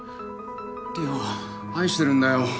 理央を愛してるんだよ。